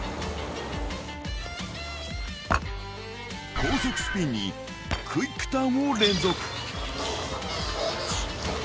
高速スピンに、クイックターンを連続。